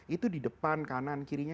itu di depan kanan kirinya